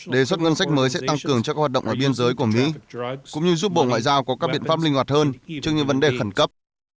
đề xuất ngân sách mới sẽ tăng cường cho các hoạt động ngoài biên giới của mỹ cũng như giúp bộ ngoại giao có các biện pháp linh hoạt hơn trước những vấn đề khẩn cấp